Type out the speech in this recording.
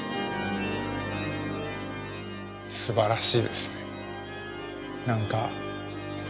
すばらしいですね。